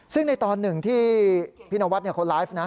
ซึ่งในตอนหนึ่งที่พี่นวัดเขาไลฟ์นะ